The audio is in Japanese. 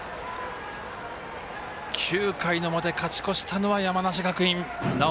９回の表勝ち越したのは山梨学院。